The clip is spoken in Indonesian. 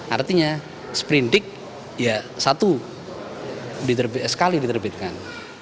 artinya seperindik ya satu sekali diterbitkan